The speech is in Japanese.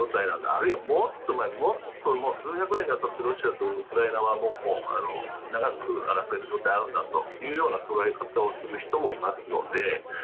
あるいはもっと前もっと数百年にわたってロシアとウクライナは長く争いの状態にあるんだという捉え方をする人もいますので。